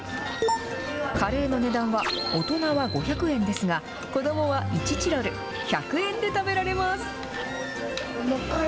カレーの値段は、大人は５００円ですが、子どもは１チロル、１００円で食べられます。